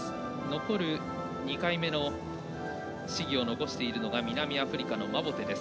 残る２回目の試技を残しているのが南アフリカのマボテです。